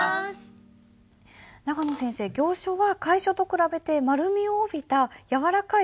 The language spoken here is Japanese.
長野先生行書は楷書と比べて丸みを帯びたやわらかい書体ですよね。